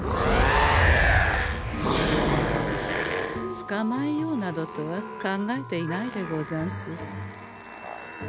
つかまえようなどとは考えていないでござんす。